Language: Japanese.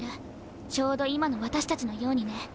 ちょうど今の私たちのようにね。